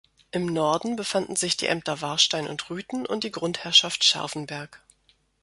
Im Norden befanden sich die Ämter Warstein und Rüthen und die Grundherrschaft Scharfenberg.